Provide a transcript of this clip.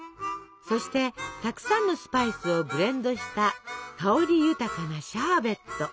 そしてたくさんのスパイスをブレンドした香り豊かなシャーベット！